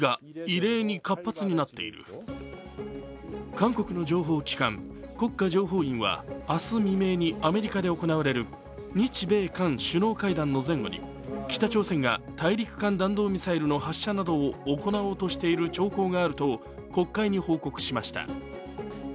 韓国の情報機関、国家情報院は明日未明にアメリカで行われる日米韓首脳会談の前後に北朝鮮が大陸間弾道ミサイルの発射などを行おうとしている兆候があると国会に報告しました。